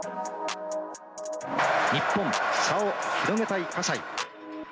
日本差を広げたい西。